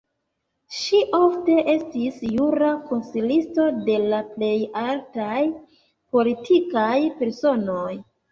Ŝi ofte estis jura konsilisto de la plej altaj politikaj personoj.